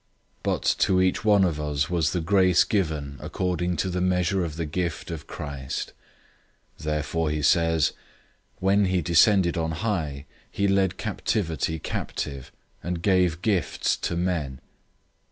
004:007 But to each one of us was the grace given according to the measure of the gift of Christ. 004:008 Therefore he says, "When he ascended on high, he led captivity captive, and gave gifts to men."